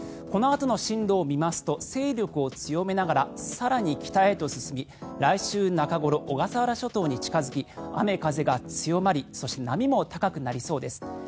このあとの進路を見ますと勢力を強めながら更に北へと進み来週中ごろ、小笠原諸島に近付き雨、風が強まりそして波も高くなりそうです。